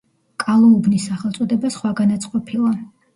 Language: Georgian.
კალოუბნის სახელწოდება სხვაგანაც ყოფილა.